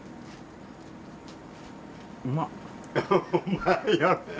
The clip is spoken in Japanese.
うまっ！